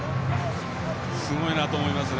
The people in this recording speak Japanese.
すごいなと思いますね。